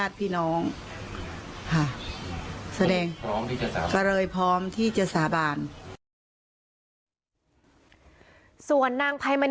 ส่วนนางไพมะนี่สาปุ่ม